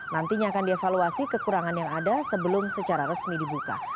nantinya akan dievaluasi kekurangan yang ada sebelum secara resmi dibuka